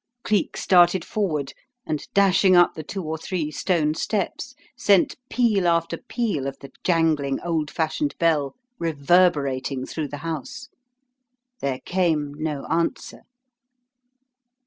Cleek started forward, and dashing up the two or three stone steps, sent peal after peal of the jangling, old fashioned bell reverberating through the house. There came no answer.